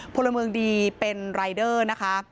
พลเมืองดีเป็นรายเดอร์นะคะ